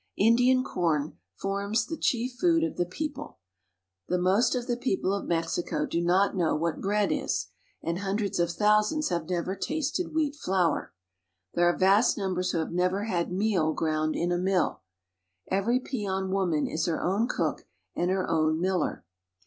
Indian corn forms the chief food of the people. The most of the people of Mexico do not know what bread is, and hundreds of thousands have never tasted wheat flour. There are vast numbers who have never had meal ground in a mill. Every peon woman is her own cook and her own miller.